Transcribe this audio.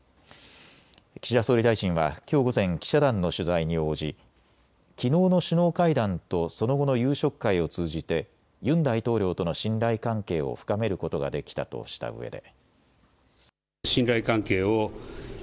岸田総理大臣はきょう午前、記者団の取材に応じきのうの首脳会談とその後の夕食会を通じてユン大統領との信頼関係を深めることができたとしたうえで。